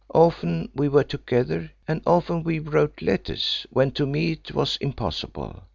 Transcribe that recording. Often we were together, and often we wrote letters when to meet was impossible.